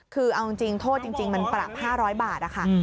คือเอาจริงโทษจริงมันปรับ๕๐๐บาทนะคะ